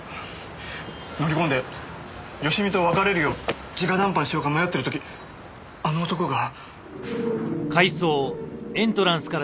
乗り込んで佳美と別れるよう直談判しようか迷ってる時あの男が。